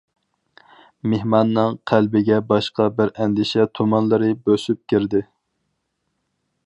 مېھماننىڭ قەلبىگە باشقا بىر ئەندىشە تۇمانلىرى بۆسۈپ كىردى.